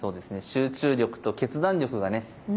集中力と決断力がね